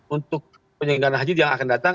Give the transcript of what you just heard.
untuk penyelenggaran haji yang akan datang